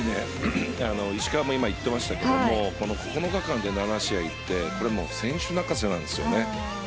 石川も言っていましたけど９日間で７試合って選手泣かせなんですよね。